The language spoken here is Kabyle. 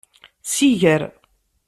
Siger.